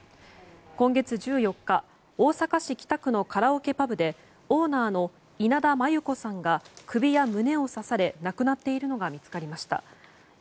今月１４日大阪市北区のカラオケパブでオーナーの稲田真優子さんが首や胸を刺され亡くなっているのが見つかりました。